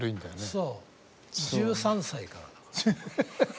そう１３歳からだから。